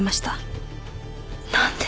何で？